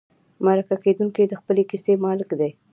مرکه کېدونکی د خپلې کیسې مالک دی.